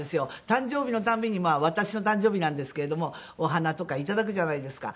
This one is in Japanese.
誕生日の度にまあ私の誕生日なんですけれどもお花とかいただくじゃないですか。